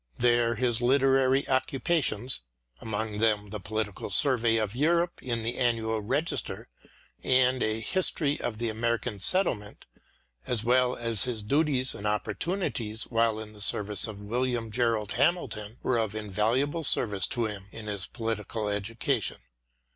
There his literary occupations — ^among them the political survey of Europe in the " Annual Register," and a " History of the American Settlement," as well as his duties and opportunities while in the service of William Gerard Hamilton — ^were of invaluable service to him in his political education.